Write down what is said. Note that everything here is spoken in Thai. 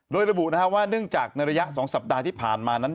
โดยระบุว่าเนื่องจากในระยะ๒สัปดาห์ที่ผ่านมานั้น